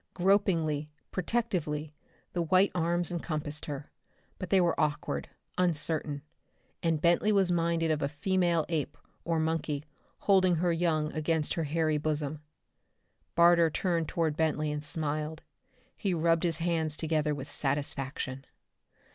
Gropingly, protectively, the white arms encompassed her. But they were awkward, uncertain, and Bentley was minded of a female ape or monkey holding her young against her hairy bosom. Barter turned toward Bentley and smiled. He rubbed his hands together with satisfaction.